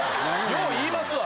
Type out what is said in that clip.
よう言いますわ。